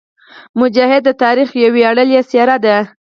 مجاهد د تاریخ یوه ویاړلې څېره ده.